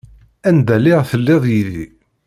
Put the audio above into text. Anda lliɣ telliḍ yid-i.